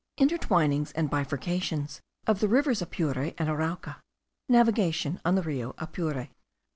INTERTWININGS AND BIFURCATIONS OF THE RIVERS APURE AND ARAUCA. NAVIGATION ON THE RIO APURE.